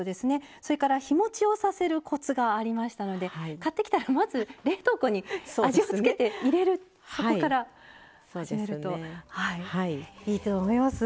それから日もちをさせるコツがありましたので買ってきたら、まず冷凍庫に味を付けて入れるそこから始めるといいと思います。